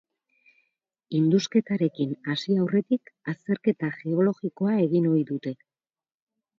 Indusketarekin hasi aurretik azterketa geologikoa egin ohi dute.